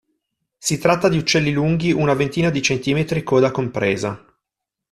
Si tratta di uccelli lunghi una ventina di centimetri, coda compresa.